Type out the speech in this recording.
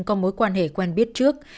có mối quan hệ quen biết trước